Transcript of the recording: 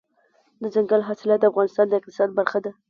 دځنګل حاصلات د افغانستان د اقتصاد برخه ده.